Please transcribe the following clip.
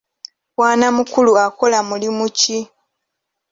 Bwanamukulu akola mulimu ki?